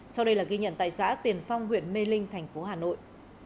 sau đây là ghi nhận tại xã tiền phong huyện mê linh thành phố hà nội